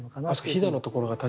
ひだのところが確かに。